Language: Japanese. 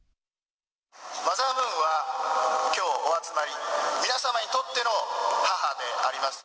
マザームーンは、きょう、お集まりの皆様にとっての母であります。